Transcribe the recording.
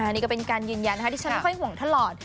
นี่ก็เป็นการยืนยันนะคะที่ฉันไม่ค่อยห่วงท่านหลอด